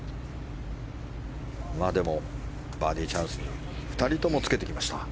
でも、バーディーチャンスに２人ともつけてきました。